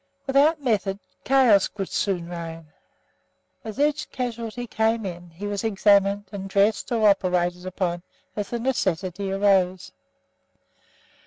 Without method chaos would soon reign. As each casualty came in he was examined, and dressed or operated upon as the necessity arose.